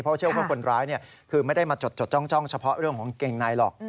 เพราะเชื่อว่าคนร้ายคือไม่ได้มาจดจ้องเฉพาะเรื่องของกางเกงในหรอก